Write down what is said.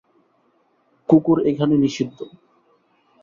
কুকুর এখানে নিষিদ্ধ।